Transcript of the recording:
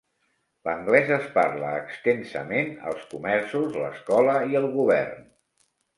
L'anglès es parla extensament als comerços, l'escola i el govern.